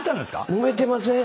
もめてません。